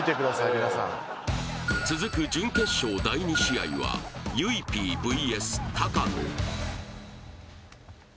皆さん続く準決勝第２試合はゆいＰＶＳ高野